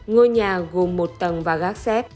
ngôi nhà gồm một tầng và gác xép